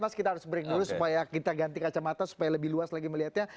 mas kita harus break dulu supaya kita ganti kacamata supaya lebih luas lagi melihatnya